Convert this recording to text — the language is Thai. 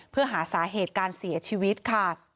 เพื่อหาสาเหตุการเสียชีวิตค่ะ